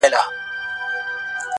مېړه څه وهلی، څه پوري وهلی.